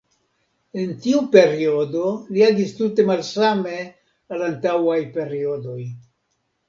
En tiu periodo, li agis tute malsame al antaŭaj periodoj.